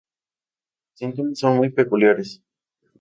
Los síntomas son muy peculiares.